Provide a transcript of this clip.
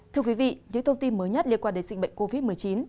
thưa quý vị những thông tin mới nhất liên quan đến dịch bệnh covid một mươi chín